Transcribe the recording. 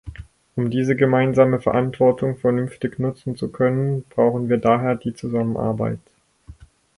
Um diese gemeinsame Verantwortung vernünftig nutzen zu können, brauchen wir daher die Zusammenarbeit.